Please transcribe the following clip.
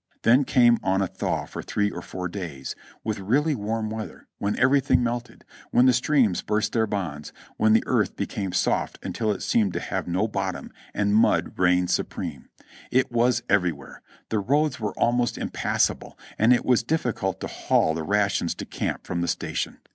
Then came on a thaw for three or four days, with really warm weather, when everything melted ; when the streams burst their bonds ; when the earth became soft until it seemed to have no bottom and mud reigned supreme. It was everywhere ; the roads were almost impassable and it was difficult to haul the rations to camp from the station.